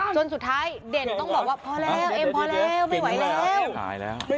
จนสุดท้ายเด่นต้องบอกว่าพอแล้วเอ็มพอแล้วไม่ไหวแล้วหายแล้ว